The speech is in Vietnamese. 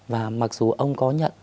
và mặc dù ông có nhận